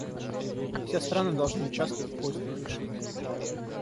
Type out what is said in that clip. Все страны должны участвовать в поисках решений.